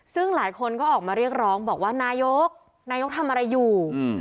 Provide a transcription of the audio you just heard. ซึ่งหลายคนก็ออกมาเรียกร้องบอกว่านายกนายกทำอะไรอยู่